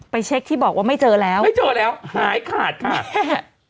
เช็คที่บอกว่าไม่เจอแล้วไม่เจอแล้วหายขาดค่ะ